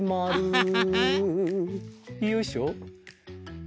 よいしょ。